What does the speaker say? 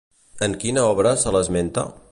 En quina obra se l'esmenta?